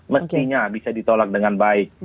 mestinya bisa ditolak dengan baik